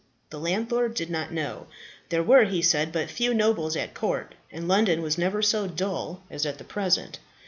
The landlord did not know. There were, he said, but few nobles at court, and London was never so dull as at present.